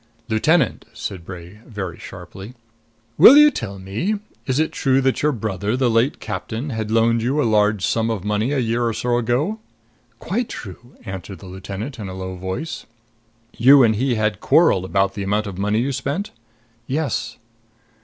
"Lieutenant," said Bray very sharply, "will you tell me is it true that your brother, the late captain, had loaned you a large sum of money a year or so ago?" "Quite true," answered the lieutenant in a low voice. "You and he had quarreled about the amount of money you spent?" "Yes."